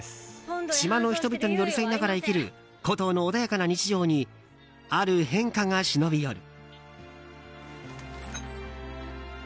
島の人々に寄り添いながら生きるコトーの穏やかな日常にある変化が忍び寄る。